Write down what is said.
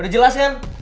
udah jelas kan